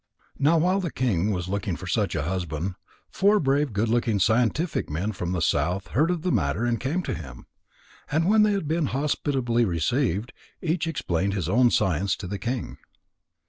Now while the king was looking for such a husband, four brave, good looking, scientific men from the south heard of the matter and came to him. And when they had been hospitably received, each explained his own science to the king.